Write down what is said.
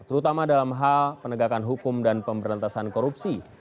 terutama dalam hal penegakan hukum dan pemberantasan korupsi